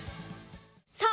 さあ